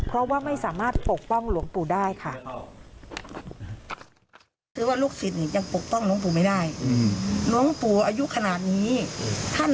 เพราะว่าไม่สามารถปกป้องหลวงปู่ได้ค่ะ